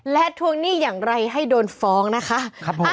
และทวงหนี้อย่างไรให้โดนฟ้องนะคะ